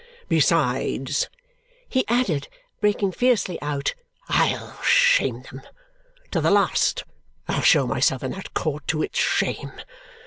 Besides," he added, breaking fiercely out, "I'll shame them. To the last, I'll show myself in that court to its shame.